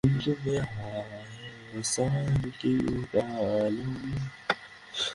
গতকাল শুক্রবার রাত পৌনে আটটায় ঝিনাইদহ পুরোনো ডিসি কোর্ট চত্বরে ঘটনাটি ঘটেছে।